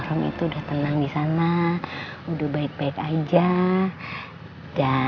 nama selama papa